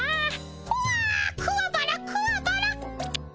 うわくわばらくわばら。